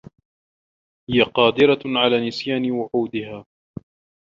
هي قادرة على نسيان وعودها.